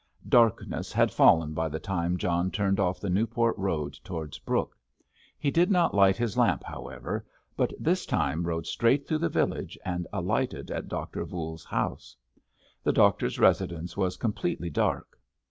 Darkness had fallen by the time John turned off the Newport road towards Brooke. He did not light his lamp, however, but this time rode straight through the village and alighted at Dr. Voules's house. The doctor's residence was completely dark.